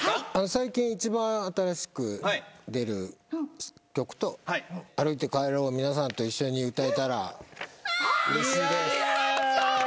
最近一番新しく出る曲と『歩いて帰ろう』を皆さんと一緒に歌えたらうれしいです。